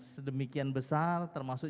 sedemikian besar termasuk